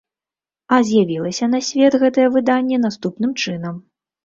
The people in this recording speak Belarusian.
А з'явілася на свет гэтае выданне наступным чынам.